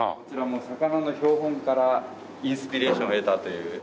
こちら魚の標本からインスピレーションを得たという。